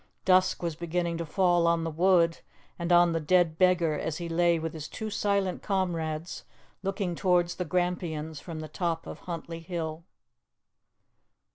Dusk was beginning to fall on the wood and on the dead beggar as he lay with his two silent comrades, looking towards the Grampians from the top of Huntly Hill.